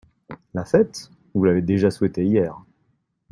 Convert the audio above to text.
La fête ?… vous l’avez déjà souhaitée hier.